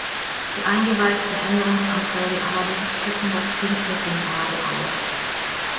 Die eingereichten Änderungsanträge allerdings schütten das Kind mit dem Bade aus.